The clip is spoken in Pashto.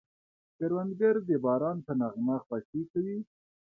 کروندګر د باران په نغمه خوښي کوي